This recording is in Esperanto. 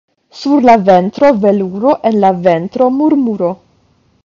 Sur la ventro veluro, en la ventro murmuro.